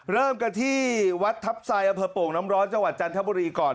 เริ่มกันที่วัดทัพไซอาพปลกน้ำร้อนจังหวัดจานธิบดีก่อน